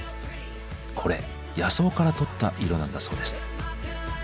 これ野草からとった色なんだそうです。